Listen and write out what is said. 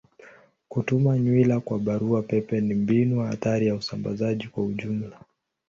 Kutuma nywila kwa barua pepe ni mbinu hatari ya usambazaji kwa ujumla.